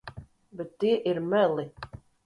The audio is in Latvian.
Bet tie ir meli.